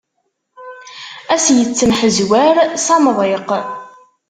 Ad as-yettemḥezwar s amḍiq.